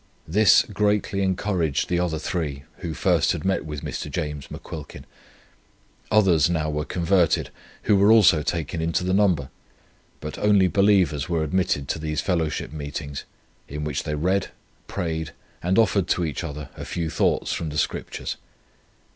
This greatly encouraged the other three who first had met with Mr. James McQuilkin. Others now were converted, who were also taken into the number; but only believers were admitted to these fellowship meetings, in which they read, prayed, and offered to each other a few thoughts from the Scriptures.